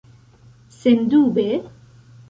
Sendube?